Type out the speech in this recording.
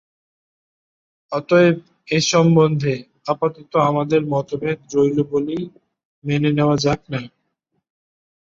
অতএব এ সম্বন্ধে আপাতত আমাদের মতভেদ রইল বলেই মেনে নেওয়া যাক-না।